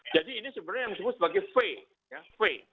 jadi ini sebenarnya yang disebut sebagai v